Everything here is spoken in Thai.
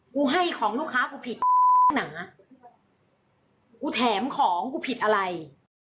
กูให้ของลูกค้ากูผิดหนากูแถมของกูผิดอะไร